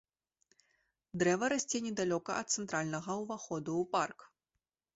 Дрэва расце недалёка ад цэнтральнага ўваходу ў парк.